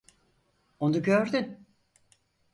Onu gördün.